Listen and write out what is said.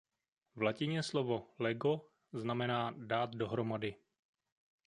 V latině slovo "lego" znamená „dát dohromady“.